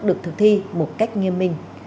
được thực thi một cách nghiêm minh